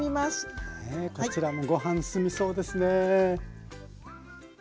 ねこちらもご飯進みそうですね。